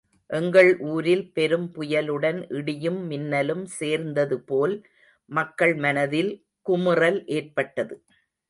எங்கள் ஊரில் பெரும் புயலுடன் இடியும் மின்னலும் சேர்ந்ததுபோல் மக்கள் மனதில் குமுறல் ஏற்பட்டது.